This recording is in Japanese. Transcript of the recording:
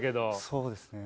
そうですね。